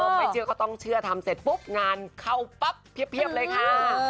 ไม่เชื่อก็ต้องเชื่อทำเสร็จปุ๊บงานเข้าปั๊บเพียบเลยค่ะ